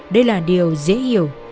đây là điều dễ hiểu